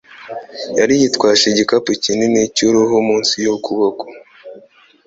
Yari yitwaje igikapu kinini cy'uruhu munsi y'ukuboko